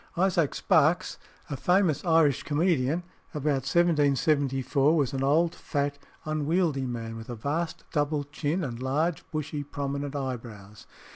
Isaac Sparkes, a famous Irish comedian about 1774, was an old, fat, unwieldy man, with a vast double chin, and large, bushy, prominent eyebrows.